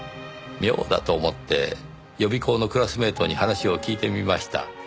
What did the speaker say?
妙だと思って予備校のクラスメートに話を聞いてみました。